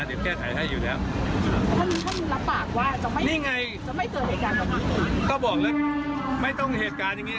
เดี๋ยวแก้ไถให้อยู่แล้วนี่ไงก็บอกแล้วไม่ต้องเหตุการณ์อย่างงี้